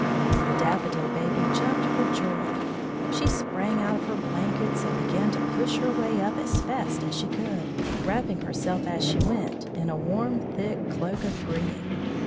The Daffodil Baby jumped for joy. She sprang out of her blankets and began to push her way up as fast as she could, wrapping herself as she went in a warm, thick cloak of green.